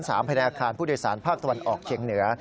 ภายในอาคารผู้โดยสารภาคตะวันออกเชียงเหนือ